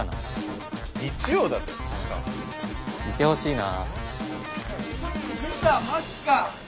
いてほしいな。